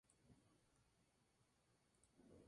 Con muchas atracciones para las familias a bajo costo.